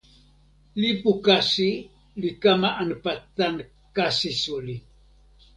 lipu kasi li kama anpa tan kasi suli.